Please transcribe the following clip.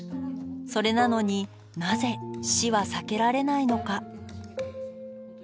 それなのになぜ死は避けられないのか。